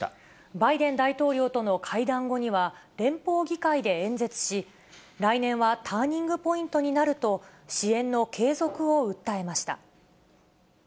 バイデン大統領との会談後には、連邦議会で演説し、来年はターニングポイントになると、支援の継続を訴えました。